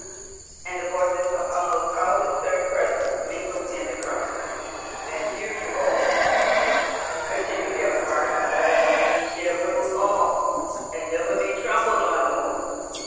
And the voices of almost all the serfs present mingled in the cry. "And hear you all," continued Eberhard, "she shall rule all, and never be trampled on more.